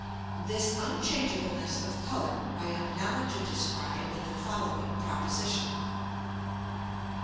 This Unchangeableness of Colour I am now to describe in the following Proposition.